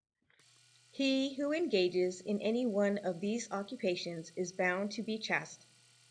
He who engages in any one of these occupations is bound to be chaste.